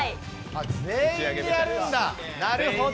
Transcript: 全員でやるんだ、なるほど。